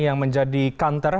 yang menjadi kantornya